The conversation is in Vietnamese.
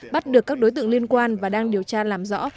bắt được các đối tượng liên quan và đang điều tra làm rõ